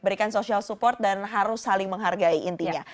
berikan social support dan harus saling menghargai intinya